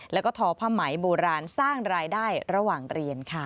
แล้วก็ทอผ้าไหมโบราณสร้างรายได้ระหว่างเรียนค่ะ